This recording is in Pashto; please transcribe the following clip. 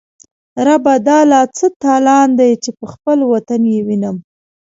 ربه دا لا څه تالان دی، چی به خپل وطن یې وینم